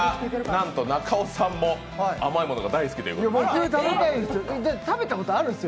なんと、中尾さんも甘いものが大好きということで。